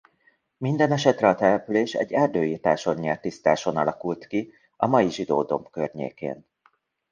Mindenesetre a település egy erdőirtáson nyert tisztáson alakult ki a mai Zsidó-domb környékén.